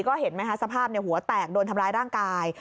ก็เห็นไหมคะสภาพหัวแตกโดนทำร้ายร่างกาย